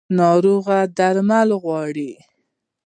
ناروغي درمل غواړي